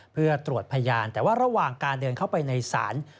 เพื่อตรวจพยานแต่ว่าระหว่างการเดินเข้าไปในศาล